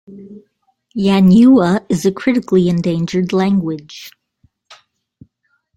Yanyuwa is a critically endangered language.